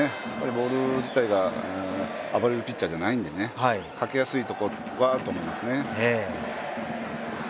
ボール自体が暴れるピッチャーじゃないんでかけやすいところはあると思いますね。